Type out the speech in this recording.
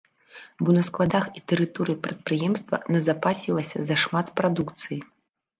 Бо на складах і тэрыторыі прадпрыемства назапасілася зашмат прадукцыі.